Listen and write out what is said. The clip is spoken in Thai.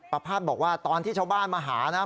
ประพาทบอกว่าตอนที่ชาวบ้านมาหานะ